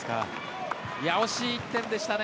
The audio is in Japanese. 惜しい１点でしたね。